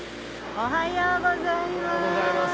おはようございます。